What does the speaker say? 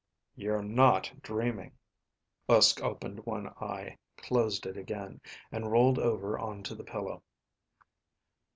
"You're not dreaming." Uske opened one eye, closed it again. And rolled over onto the pillow.